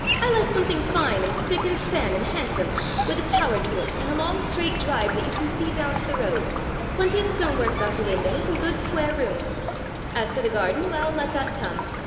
I like something fine and spick and span and handsome, with a tower to it, and a long straight drive that you can see down to the road; plenty of stone work about the windows, and good square rooms. As for the garden, well, let that come.